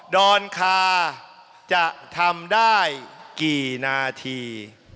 ดอนคาจะทำได้กี่นาที